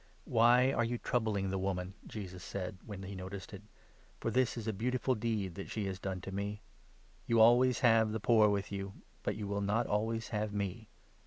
"Why are you troubling the woman ?" Jesus said, when 10 he noticed it. " For this is a beautiful deed that she has done to me. You always have the poor with you, but you n will not always have me.